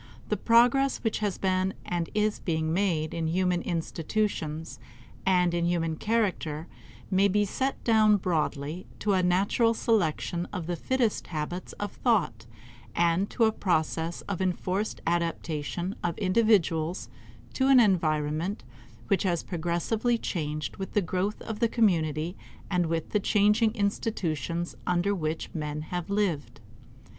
The progress which has been and is being made in human institutions and in human character may be set down, broadly, to a natural selection of the fittest habits of thought and to a process of enforced adaptation of individuals to an environment which has progressively changed with the growth of the community and with the changing institutions under which men have lived.